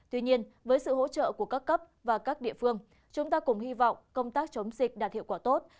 tuy nhiên với sự hỗ trợ của các cấp và các địa phương chúng ta cùng hy vọng công tác chống dịch đạt hiệu quả tốt